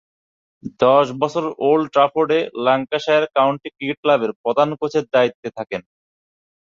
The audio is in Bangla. দশ বছর ওল্ড ট্রাফোর্ডে ল্যাঙ্কাশায়ার কাউন্টি ক্রিকেট ক্লাবের প্রধান কোচের দায়িত্বে থাকেন।